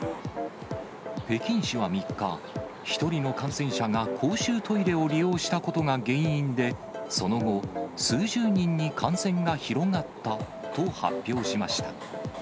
北京市は３日、１人の感染者が公衆トイレを利用したことが原因で、その後、数十人に感染が広がったと発表しました。